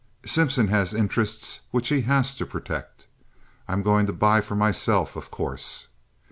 Simpson has interests which he has to protect. I'm going to buy for myself, of course."